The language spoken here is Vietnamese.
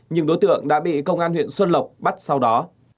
nhưng đối tượng đã bị công an huyện xuân lộc bắt sau đó